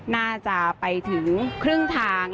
น่าจะไปถึงครึ่งทาง